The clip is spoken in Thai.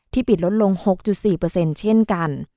ปิดลดลง๖๔เช่นกัน